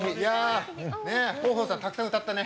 豊豊さん、たくさん歌ったね！